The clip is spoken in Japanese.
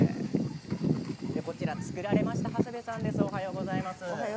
作られました長谷部さんです。